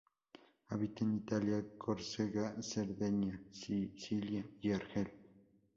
Habita en Italia, Córcega, Cerdeña, Sicilia y Argel.